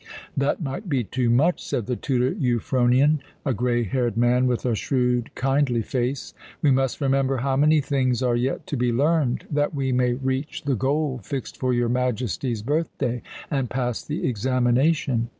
"That might be too much," said the tutor Euphronion, a grey haired man with a shrewd, kindly face. "We must remember how many things are yet to be learned, that we may reach the goal fixed for your Majesty's birthday and pass the examination."